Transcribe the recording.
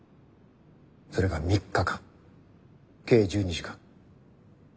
それが３日間計１２時間。